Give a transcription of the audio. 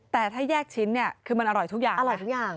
แต่ถ้าแยกชิ้นเนี่ยคือมันอร่อยทุกอย่างนะ